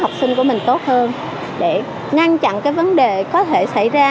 học sinh của mình tốt hơn để ngăn chặn cái vấn đề có thể xảy ra